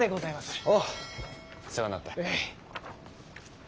あぁ世話になった。